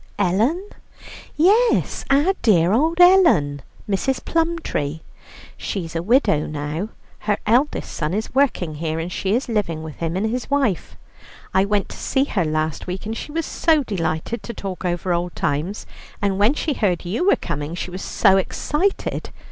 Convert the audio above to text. "Ellen?" "Yes, our dear old Ellen Mrs. Plumtree. She's a widow now. Her eldest son is working here, and she is living with him and his wife. I went to see her last week, and she was so delighted to talk over old times, and when she heard you were coming, she was so excited.